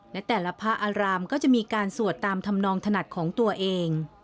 และแต่ละพระอารามก็จะมีการสวดตามธรรมนองถนัดของตัวเอง